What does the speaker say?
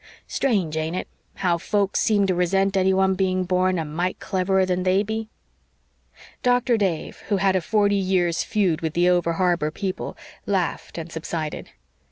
Strange, ain't it, how folks seem to resent anyone being born a mite cleverer than they be." Doctor Dave, who had a forty years' feud with the over harbor people, laughed and subsided.